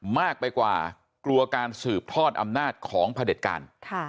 มากไปกว่ากลัวการสืบทอดอำนาจของพระเด็จการ